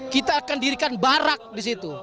kita akan dirikan barak di situ